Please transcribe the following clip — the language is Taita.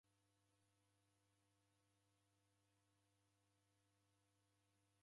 Moda ghwachua, machi ghikuduka.